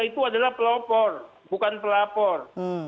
itu adalah pelopor bukan pelapor